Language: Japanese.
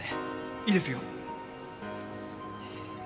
いいですよ。